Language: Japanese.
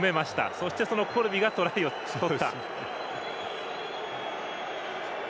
そしてそのコルビがトライを取った。